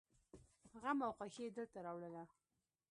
غم او خوښي يې دلته راوړله.